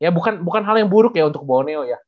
ya bukan hal yang buruk ya untuk boneo ya